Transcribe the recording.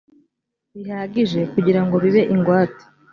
bihagije kugira ngo bibe ingwate